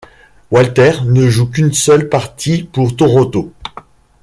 Walters ne joue qu'une seule partie pour Toronto.